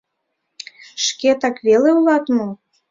Шкетак веле улат мо?